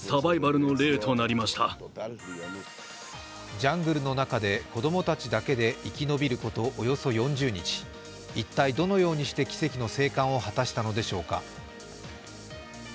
ジャングルの中で子供達だけで生き延びることおよそ４０日、一体どのようにして奇跡の生還を果たしたのでしょうか。